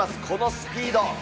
このスピード。